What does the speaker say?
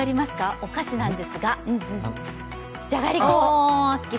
お菓子なんですが、じゃがりこ。